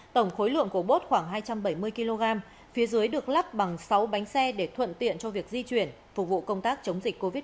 tổng khối lượng của bốt khoảng hai trăm bảy mươi kg phía dưới được lắp bằng sáu bánh xe để thuận tiện cho việc di chuyển phục vụ công tác chống dịch covid một mươi chín